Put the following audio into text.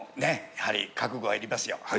やはり覚悟はいりますよ。